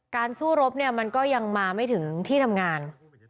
สู้รบเนี่ยมันก็ยังมาไม่ถึงที่ทำงาน